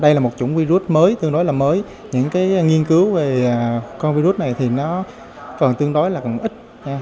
đây là một chủng virus mới tương đối là mới những cái nghiên cứu về con virus này thì nó còn tương đối là còn ít